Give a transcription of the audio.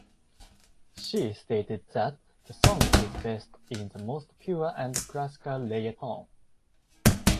She stated that the song is based in the most pure and classical reggaeton.